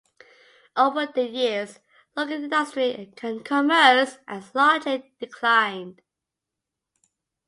Over the years local industry and commerce has largely declined.